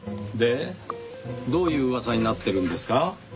でどういう噂になってるんですか？